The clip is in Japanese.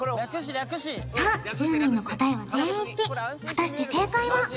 さあ１０人の答えは全員一致果たして正解は？